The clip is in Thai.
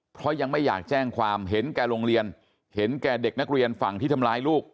เพราะยังไม่อยากแจ้งความเห็นแก่โรงเรียนเห็นแก่เด็กนักเรียนฝั่งที่ทำร้ายลูก